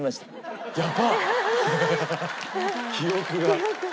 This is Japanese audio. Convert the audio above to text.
記憶が。